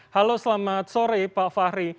halo selamat sore pak fahri